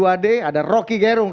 ada rocky gerung